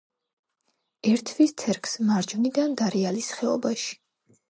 ერთვის თერგს მარჯვნიდან დარიალის ხეობაში.